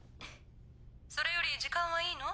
それより時間はいいの？